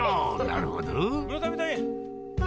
なるほど。